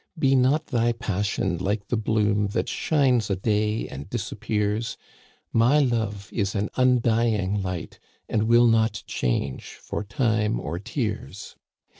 Be not thy passion like the bloom, That shines a day and disappears. , My love is an undying light. And will not change for time or tears.